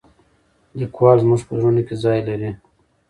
لیکوال زموږ په زړونو کې ځای لري.